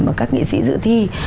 mà các nghệ sĩ dự thi